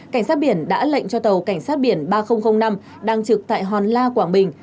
cảnh sát biển đã lệnh cho tàu cảnh sát biển ba nghìn năm đang trực tại hòn la quảng bình